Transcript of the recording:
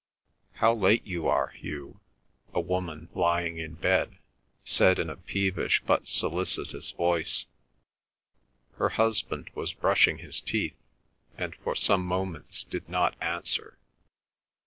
"How late you are, Hugh!" a woman, lying in bed, said in a peevish but solicitous voice. Her husband was brushing his teeth, and for some moments did not answer.